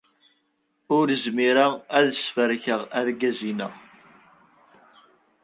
Ur zmireɣ ad sferkeɣ argaz-inna.